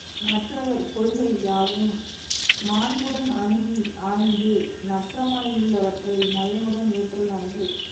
மற்றவர் கொள்கை யாவும் மாண்புடன் அணுகி ஆய்ந்து நற்றமா யுள்ள வற்றை நயமுடன் ஏற்றல் நன்று.